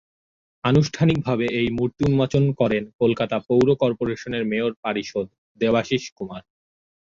আনুষ্ঠানিকভাবে এই মূর্তি উন্মোচন করেন কলকাতা পৌর করপোরেশনের মেয়র পারিষদ দেবাশীষ কুমার।